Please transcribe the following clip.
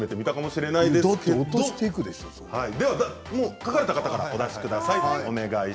書かれた方は出してください。